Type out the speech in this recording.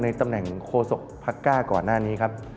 ตำแหน่งโคศกพักก้าก่อนหน้านี้ครับ